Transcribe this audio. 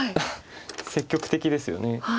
積極的ですよね。